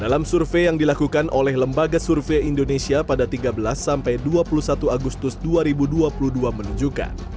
dalam survei yang dilakukan oleh lembaga survei indonesia pada tiga belas sampai dua puluh satu agustus dua ribu dua puluh dua menunjukkan